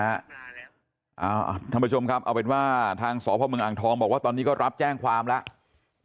ท่านผู้ชมครับเอาเป็นว่าทางสพเมืองอ่างทองบอกว่าตอนนี้ก็รับแจ้งความแล้ว